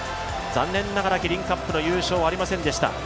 残念ながらキリンカップの優勝はありませんでした。